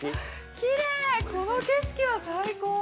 ◆きれーい、この景色は最高！